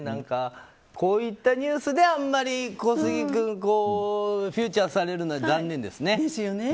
こういったニュースで小杉君フィーチャーされるのは残念ですね。